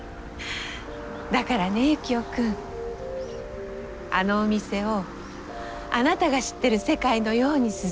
だからねユキオ君あのお店をあなたが知ってる世界のように進めてほしい。